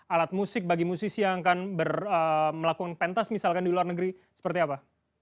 alat musik bagi musisi yang akan melakukan pentas misalkan di luar negeri seperti apa